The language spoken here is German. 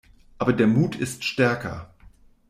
Aber der Mut ist stärker.